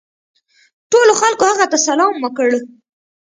ټولو خلکو هغه ته سلام وکړ.